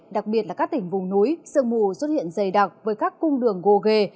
đặc biệt là các tỉnh vùng núi sương mù xuất hiện dày đặc với các cung đường gồ ghề